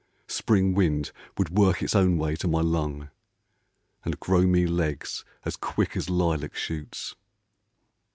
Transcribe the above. Spring wind would work its own way to my lung, And grow me legs as quick as lilac shoots.